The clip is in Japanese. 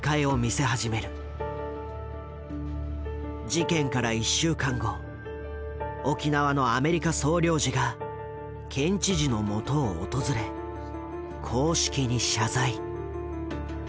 事件から１週間後沖縄のアメリカ総領事が県知事のもとを訪れ公式に謝罪。